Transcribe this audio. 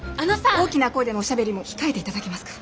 大きな声でのおしゃべりも控えて頂けますか。